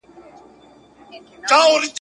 خلک هر څه کوي خو هر څه نه وايي !.